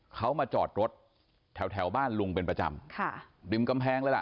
เขามาจอดรถแถวแถวบ้านลุงเป็นประจำค่ะริมกำแพงเลยล่ะ